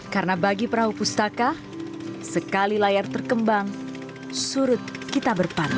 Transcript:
karena bagi perahu pustaka sekali layar terkembang surut kita berparah